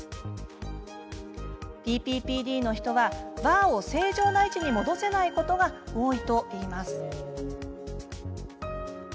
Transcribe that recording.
ＰＰＰＤの人はバーを正常な位置に戻せないことが多いといいます。